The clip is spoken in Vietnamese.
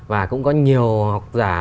và cũng có nhiều học giả